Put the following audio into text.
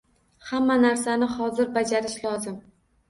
Hamma narsani hozir bajarish lozim.